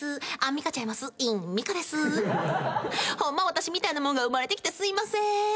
私みたいなもんが生まれてきてすいません。